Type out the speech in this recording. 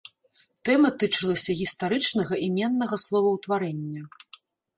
Тэма тычылася гістарычнага іменнага словаўтварэння.